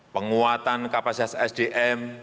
penguatan kapasitas sdm